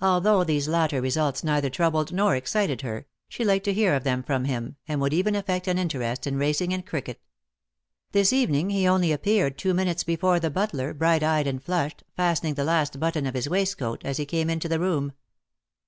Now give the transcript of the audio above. Although these latter results neither troubled nor excited her, she liked to hear of them from him, and would even affect an interest in racing and cricket. This evening he only appeared two minutes before the butler, bright eyed and flushed, fastening the last button of his waistcoat as he came into the room.